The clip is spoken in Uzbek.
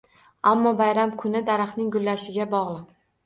Ammo bayram kuni daraxtning gullashiga bog’liq.